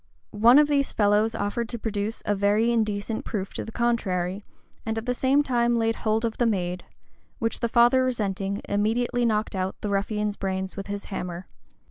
One of these fellows offered to produce a very indecent proof to the contrary, and at the same time laid hold of the maid; which the father resenting, immediately knocked out the ruffian's brains with his hammer.